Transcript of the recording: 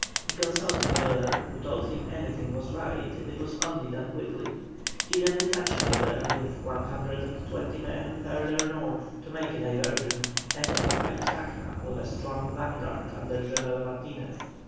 He consulted Miller, who told him anything was right if it was only done quickly. He then detached Miller with 120 men further north to make a diversion, and occupied Tacna with a strong vanguard under General Martinez.